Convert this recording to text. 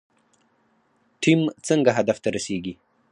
ټیم څنګه هدف ته رسیږي؟